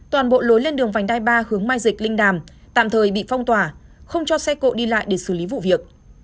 toàn bộ lối lên đường vành đai ba hướng mai dịch linh đàm tạm thời bị phong tỏa không cho xe cộ đi lại để xử lý vụ việc